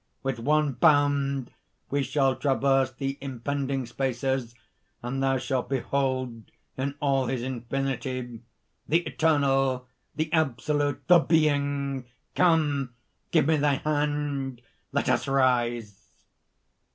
With one bound we shall traverse the impending spaces, and thou shalt behold in all his infinity, the Eternal, the Absolute, the Being! Come! give me thy hand! Let us rise."